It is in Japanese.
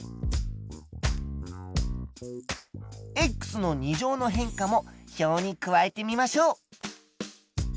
つまりの２乗の変化も表に加えてみましょう。